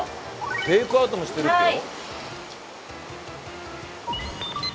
テイクアウトもしてるってよ。